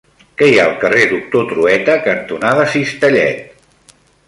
Què hi ha al carrer Doctor Trueta cantonada Cistellet?